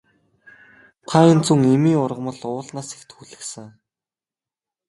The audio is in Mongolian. Та энэ зун эмийн ургамал уулнаас их түүлгэсэн.